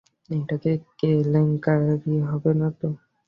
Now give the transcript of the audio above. একটা কেলেঙ্কারি হবে না তো?